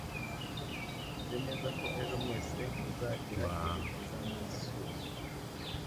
Nzi neza ko ejo mwese muzagira ibihe byiza muri zoo.